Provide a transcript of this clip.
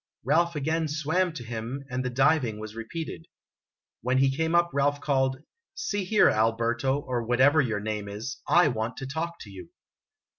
Ralph again swam to him, and the diving was repeated. When he came up Ralph called :" See here, Alberto, or whatever your name is, I want to talk to you."